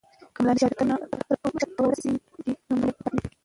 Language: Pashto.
که ملالۍ شهادت ته ورسېږي، نو نوم به یې تل پاتې وي.